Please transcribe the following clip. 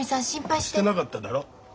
してなかっただろ？